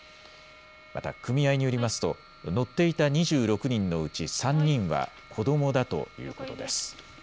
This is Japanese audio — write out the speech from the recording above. また組合によりますと乗っていた２６人のうち３人は子どもだということです。